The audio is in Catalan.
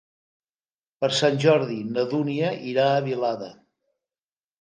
Per Sant Jordi na Dúnia irà a Vilada.